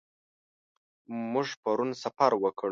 موږ پرون سفر وکړ.